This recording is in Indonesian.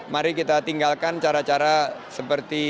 mari kita tinggalkan cara cara seperti